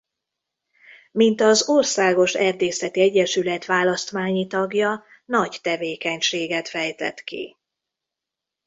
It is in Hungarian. Mint az Országos Erdészeti Egyesület választmányi tagja nagy tevékenységet fejtett ki.